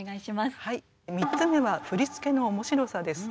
はい３つ目は「振付の面白さ」です。